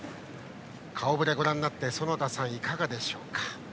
顔ぶれをご覧になって園田さん、いかがでしょうか。